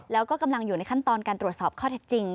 แล้วก็กำลังอยู่ในขั้นตอนการตรวจสอบข้อเท็จจริง